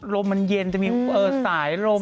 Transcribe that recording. ลมมันเย็นจะมีสายลม